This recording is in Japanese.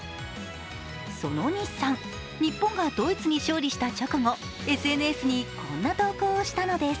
その西さん、日本がドイツに勝利した直後、ＳＮＳにこんな投稿をしたのです。